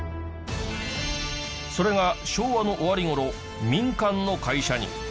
それが昭和の終わり頃民間の会社に。